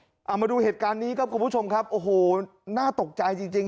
เอามาดูเหตุการณ์นี้ครับคุณผู้ชมครับโอ้โหน่าตกใจจริงจริง